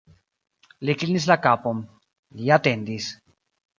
Li klinis la kapon, li atendis.